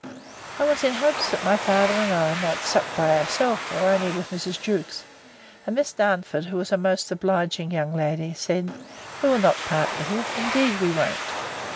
I was in hopes my father and I might sup by ourselves, or only with Mrs. Jewkes. And Miss Darnford, who is a most obliging young lady, said, We will not part with you, indeed we won't.